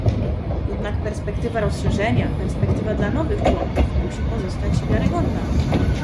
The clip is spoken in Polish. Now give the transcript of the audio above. Jednak perspektywa rozszerzenia, perspektywa dla nowych członków musi pozostać wiarygodna